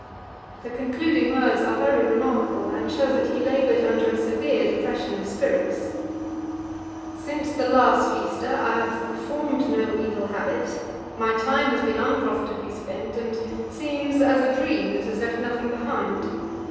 The concluding words are very remarkable, and shew that he laboured under a severe depression of spirits. 'Since the last Easter I have reformed no evil habit, my time has been unprofitably spent, and seems as a dream that has left nothing behind.